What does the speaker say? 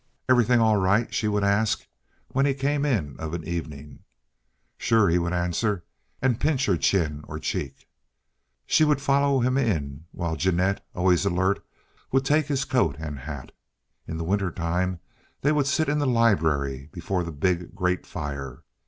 "Everything all right?" she would ask when he came in of an evening. "Sure!" he would answer, and pinch her chin or cheek. She would follow him in while Jeannette, always alert, would take his coat and hat. In the winter time they would sit in the library before the big grate fire.